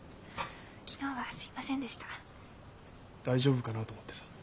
大丈夫かなと思ってさ。